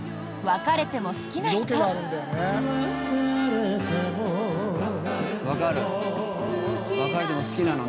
別れても好きなの。